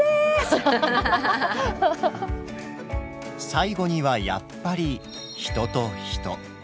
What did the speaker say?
最後にはやっぱり人と人。